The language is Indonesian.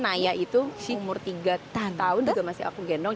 naya itu si umur tiga tahun juga masih aku gendong